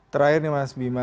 terakhir nih mas bima